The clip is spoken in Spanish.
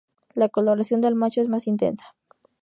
La coloración del macho es más intensa.